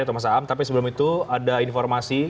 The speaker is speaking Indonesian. atau mas aam tapi sebelum itu ada informasi